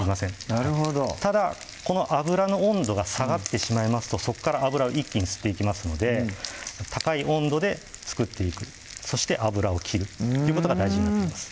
なるほどただこの油の温度が下がってしまいますとそこから油を一気に吸っていきますので高い温度で作っていくそして油を切るということが大事になってます